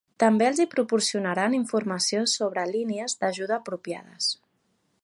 També els hi proporcionaran informació sobre línies d'ajuda apropiades.